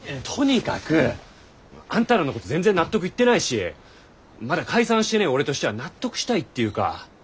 とにかくあんたらのこと全然納得いってないしまだ解散してねぇ俺としては納得したいっていうか。